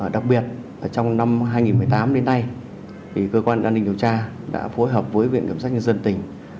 đặc biệt trong năm hai nghìn một mươi tám đến nay cơ quan an ninh điều tra đã phối hợp với viện kiểm sát nhân dân tỉnh